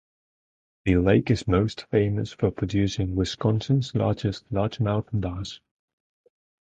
The lake is most famous for producing Wisconsin's largest largemouth bass.